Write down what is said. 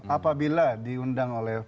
apabila diundang oleh